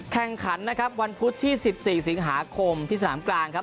แข่งขันนะครับวันพุธที่๑๔สิงหาคมที่สนามกลางครับ